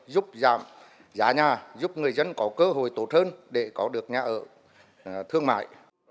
giúp giảm giá nhà giúp người dân có cơ hội tổ trơn để có được nhà ở thương mại